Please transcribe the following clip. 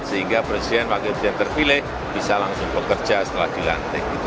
sehingga presiden wakil presiden terpilih bisa langsung bekerja setelah dilantik